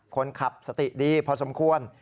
คนขับสติดีพอสมควร